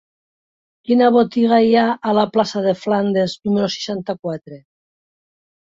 Quina botiga hi ha a la plaça de Flandes número seixanta-quatre?